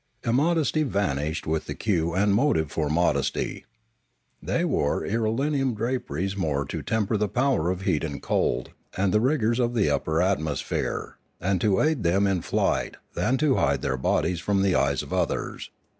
Immodesty vanished with the cue and motive for modesty. They wore irelium draperies more to temper the power of heat and cold and the rigours of the upper atmosphere, and to aid them in flight, than to hide their bodies from the eyes of others.